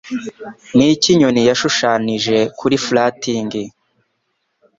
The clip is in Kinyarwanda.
Niki Inyoni Yashushanijwe Kuri Farthing